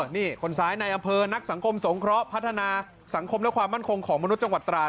นี่คนซ้ายในอำเภอนักสังคมสงเคราะห์พัฒนาสังคมและความมั่นคงของมนุษย์จังหวัดตรา